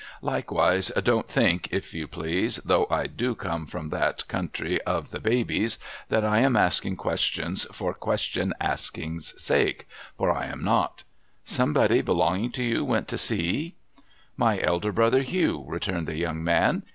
Likewise don't think, if you please, though I do come from that country of the babies, that I am asking questions for question asking's sake, for I am not. Somebody belonging to you went to sea ?'' My elder brother, Hugh,' returned the young man.